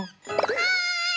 はい！